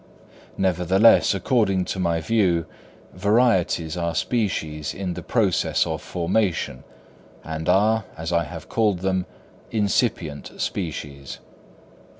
Nevertheless according to my view, varieties are species in the process of formation, or are, as I have called them, incipient species.